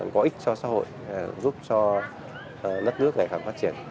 có ích cho xã hội giúp cho đất nước này phát triển